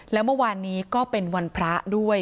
แล้วเมื่อวานนี้ก็เป็นวันพระด้วย